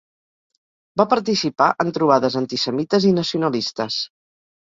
Va participar en trobades antisemites i nacionalistes.